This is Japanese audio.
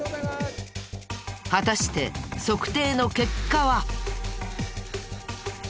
果たして測定の結果は？